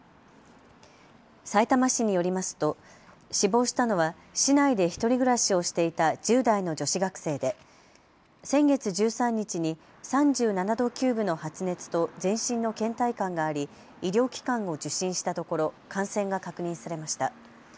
さいたま市によりますと死亡したのは市内で１人暮らしをしていた１０代の女子学生で先月１３日に３７度９分の発熱と全身のけん怠感があり医療機関を受診したところ、感染が確認されました。